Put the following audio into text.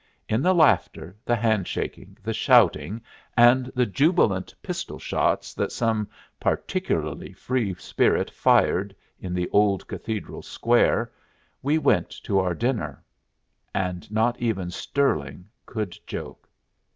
In the laughter, the hand shaking, the shouting, and the jubilant pistol shots that some particularly free spirit fired in the old Cathedral Square, we went to our dinner; and not even Stirling could joke.